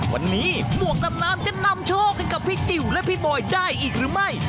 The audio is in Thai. วันนี้หมวกดำน้ำจะนำโชคให้กับพี่ติ๋วและพี่บอยได้อีกหรือไม่